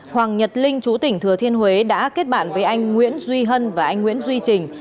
hoàng nhật linh chú tỉnh thừa thiên huế đã kết bạn với anh nguyễn duy hân và anh nguyễn duy trình